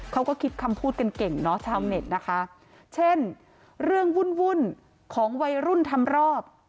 เขาก็คิดคำพูดกันเก่งเนาะชาวเน็ตนะคะเช่นเรื่องวุ่นวุ่นของวัยรุ่นทำรอบ